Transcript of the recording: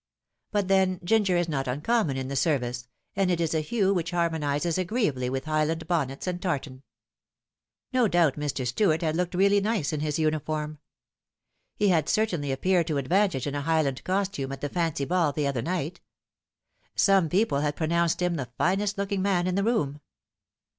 But then ginger is not uncommon in the ser vice, and it is a hue which harmonises agreeably with Highland bonnets and tartan. No doubt Mr. Stuart had looked really nice in his uniform. He had certainly appeared to advantage in a Highland costume at the fancy ball the other night. Some people had pronounced him the finest looking man in the room.